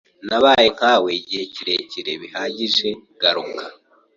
Nabaye nkawe igihe kirekire bihagije garuka